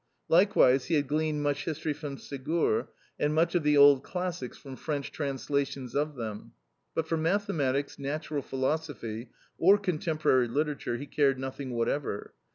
Likewise he had gleaned much history from Segur, and much of the old classics from French translations of them; but for mathematics, natural philosophy, or contemporary literature he cared nothing whatever.